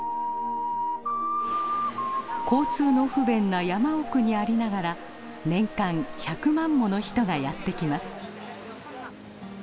交通の不便な山奥にありながら年間１００万もの人がやって来ます。